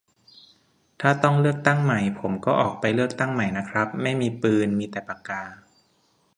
ถ้าต้องเลือกตั้งใหม่ ผมก็ออกไปเลือกใหม่นะครับ ไม่มีปืน มีแต่ปากกา